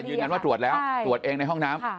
ยืนยันว่าตรวจแล้วตรวจเองในห้องน้ำ